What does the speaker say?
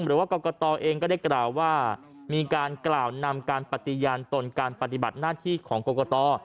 หรือว่ากรกตเองก็ได้กล่าวว่ามีการกล่าวนำการปฏิญาณตนการปฏิบัติหน้าที่ของกรกต